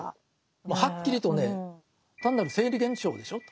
もうはっきりとね単なる生理現象でしょうと。